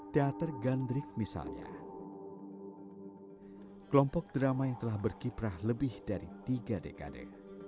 teater gandrik misalnya kelompok drama yang telah berkiprah lebih dari tiga dekade